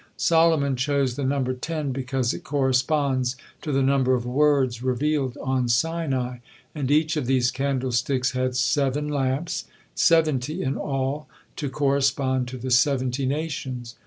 Solomon chose the number ten because it corresponds to the number of Words revealed on Sinai; and each of these candlesticks had seven lamps, seventy in all, to correspond to the seventy nations.